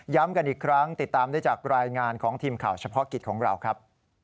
กันอีกครั้งติดตามได้จากรายงานของทีมข่าวเฉพาะกิจของเราครับ